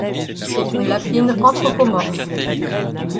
C'est une lapine anthropomorphe.